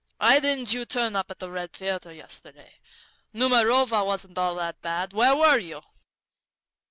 "Why didn't you turn up at the Red Theater yesterday? Numerova wasn't at all bad. Where were you?"